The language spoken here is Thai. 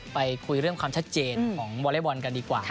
ไปคุยเรื่องความชัดเจนของวอเล็กบอลกันดีกว่า